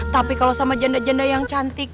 tapi kalau sama janda janda yang cantik